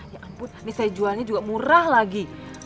ya ampun misalnya jualnya juga murah lagi